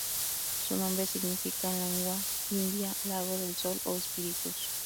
Su nombre significa en lengua india "lago del sol" o "espíritus".